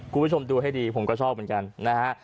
คุณผู้ชมดูให้ดีผมก็ชอบเหมือนกันนะฮะ